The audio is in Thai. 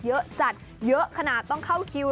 เยอะจัดเยอะขนาดต้องเข้าคิว